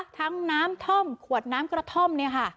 ทั้งน้ำท่อมขวดน้ำกระท่อม